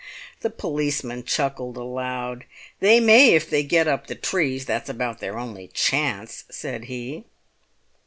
The policeman chuckled aloud. "They may if they get up the trees; that's about their only chance," said he.